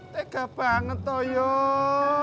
tegak banget toh yoo